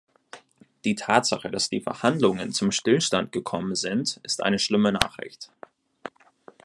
Die Tatsache, dass die Verhandlungen zum Stillstand gekommen sind, ist eine schlimme Nachricht.